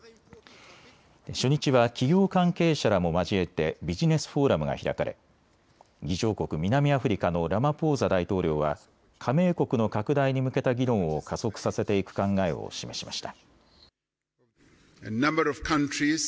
初日は企業関係者らも交えてビジネスフォーラムが開かれ、議長国、南アフリカのラマポーザ大統領は加盟国の拡大に向けた議論を加速させていく考えを示しました。